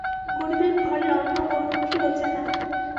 গরিবের ঘরের অন্ন ওঁর মুখে রোচে না।